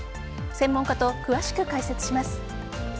専門家と詳しく解説します。